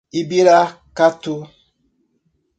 Ibiracatu